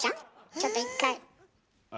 ちょっと一回。